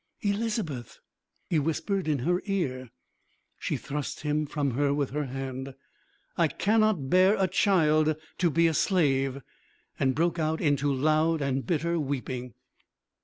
"Elizabeth," he whispered in her ear. She thrust him from her with her hand. "I cannot bear a child to be a slave!" and broke out into loud and bitter weeping.